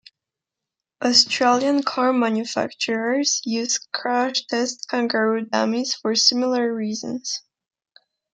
Australian car manufacturers use crash test kangaroo dummies for similar reasons.